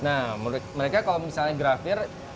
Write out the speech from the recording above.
nah menurut mereka kalau misalnya grafir